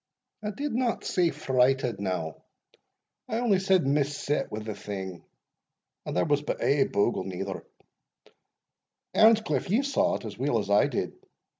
"I did not say frighted, now I only said mis set wi' the thing And there was but ae bogle, neither Earnscliff, ye saw it; as weel as I did?"